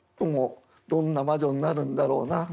もうどんな魔女になるんだろうな？